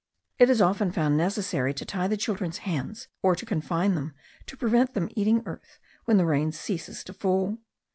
It is often found necessary to tie the children's hands or to confine them to prevent them eating earth when the rain ceases to fall.